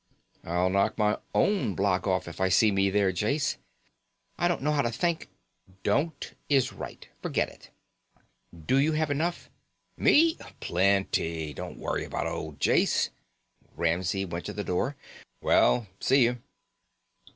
"I'll knock my own block off if I see me there. Jase, I don't know how to thank " "Don't is right. Forget it." "Do you have enough " "Me? Plenty. Don't worry about old Jase." Ramsey went to the door. "Well, see you."